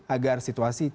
agar situasi tiba